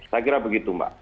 saya kira begitu mbak